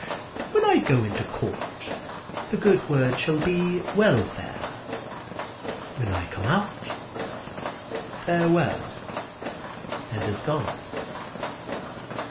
"When I go into court, the good word shall be welfare; when I come out—farewell," and is gone.